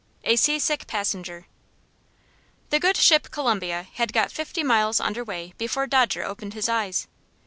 A Seasick Passenger. The good ship Columbia had got fifty miles under way before Dodger opened his eyes.